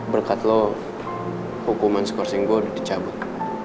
berkat lo hukuman skorsing gue udah dicabut